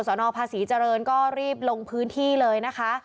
นภาษีเจริญก็รีบลงพื้นที่เลยนะคะ